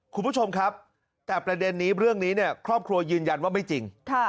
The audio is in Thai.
คุณผู้ชมครับแต่ประเด็นนี้เรื่องนี้เนี่ยครอบครัวยืนยันว่าไม่จริง